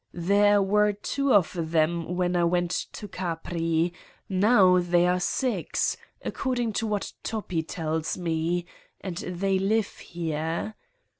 There were two of them when I went to Capri. Now they are six, according to what Toppi tells me, and they live here.